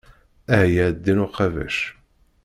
Ahya a ddin uqabac.